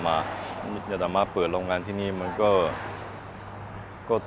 pembangunan durian ekspor